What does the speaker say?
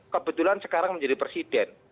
kebetulan sekarang menjadi presiden